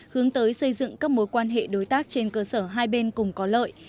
hướng tới xây dựng các mối quan hệ đối tác trên cơ sở hai bên cùng có lợi